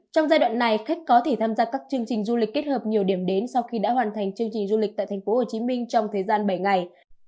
trong giai đoạn này khách có thể tham gia các chương trình du lịch kết hợp nhiều điểm đến sau khi đã hoàn thành chương trình du lịch tại thành phố hồ chí minh trong thời gian bảy ngày